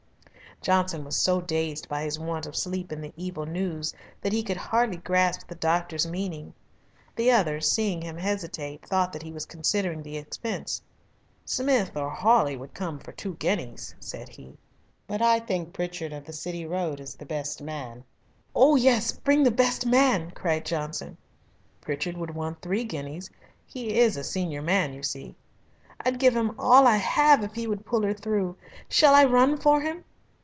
Johnson was so dazed by his want of sleep and the evil news that he could hardly grasp the doctor's meaning. The other, seeing him hesitate, thought that he was considering the expense. "Smith or Hawley would come for two guineas," said he. "But I think Pritchard of the City Road is the best man." "Oh, yes, bring the best man," cried Johnson. "Pritchard would want three guineas. He is a senior man, you see." "I'd give him all I have if he would pull her through. Shall I run for him?"